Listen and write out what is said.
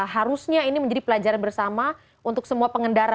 harusnya ini menjadi pelajaran bersama untuk semua pengendara